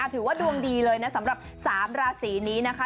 ถือว่าดวงดีเลยนะสำหรับ๓ราศีนี้นะคะ